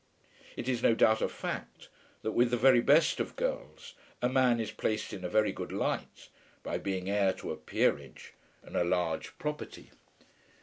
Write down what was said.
It is no doubt a fact that with the very best of girls a man is placed in a very good light by being heir to a peerage and a large property.